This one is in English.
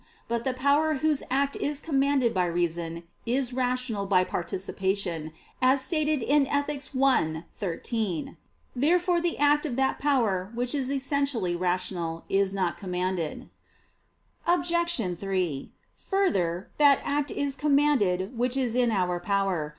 But the power whose act is commanded by reason, is rational by participation, as stated in Ethic. i, 13. Therefore the act of that power, which is essentially rational, is not commanded. Obj. 3: Further, that act is commanded, which is in our power.